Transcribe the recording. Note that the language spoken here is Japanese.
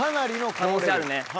可能性あるね。